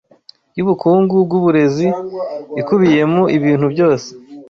yubukungu bwuburezi ikubiyemo ibintu byose